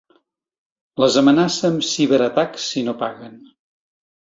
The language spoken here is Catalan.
Les amenaça amb ciberatacs si no paguen.